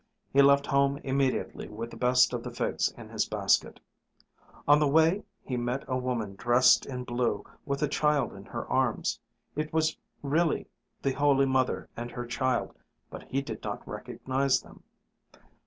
He left home immediately with the best of the figs in his basket. On the way he met a woman dressed in blue with a child in her arms. It was really the Holy Mother and her Child but he did not recognize them.